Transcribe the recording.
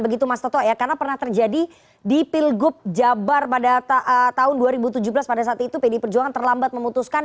begitu mas toto ya karena pernah terjadi di pilgub jabar pada tahun dua ribu tujuh belas pada saat itu pdi perjuangan terlambat memutuskan